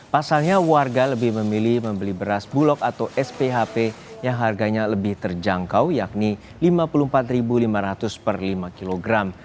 pasalnya warga lebih memilih membeli beras bulog atau sphp yang harganya lebih terjangkau yakni rp lima puluh empat lima ratus per lima kilogram